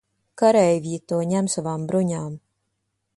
Kareivji to ņem savām bruņām.